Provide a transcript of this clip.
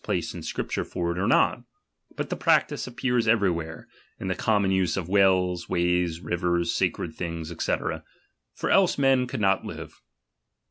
"a cran plscc in ScriptiiFe for it or not; but the practice ^bl''^ridecL ^ppcars evcry where, in the common use of wells, ways, rivers, sacred things, &e ; for else men could not live.